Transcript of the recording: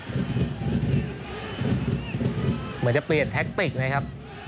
เหมือนจะเปลี่ยนทแกรจ์ไหมครับ